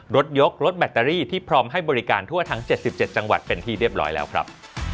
รถยกรถแบตเตอรี่ที่พร้อมให้บริการทั่วทั้ง๗๗จังหวัดเป็นที่เรียบร้อยแล้วครับ